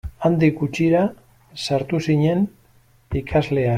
Handik gutxira sartu zinen ikasleak.